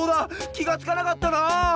きがつかなかったな。